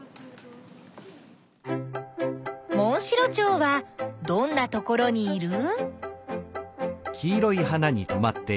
モンシロチョウはどんなところにいる？